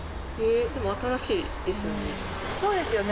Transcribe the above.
でも新しいですよね。